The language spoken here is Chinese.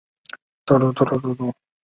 弗鲁阿尔人口变化图示